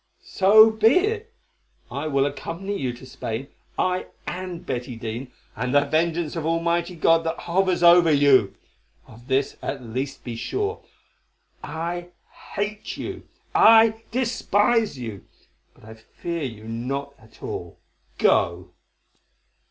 "So be it, I will accompany you to Spain, I and Betty Dene, and the vengeance of Almighty God that hovers over you. Of this at least be sure—I hate you, I despise you, but I fear you not at all. Go."